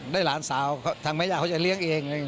หลานสาวทางแม่ย่าเขาจะเลี้ยงเอง